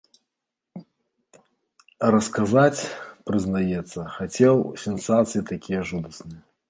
А расказаць, прызнаецца, хацеў сенсацыі такія жудасныя!